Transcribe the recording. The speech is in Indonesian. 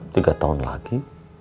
tiga tahun lagi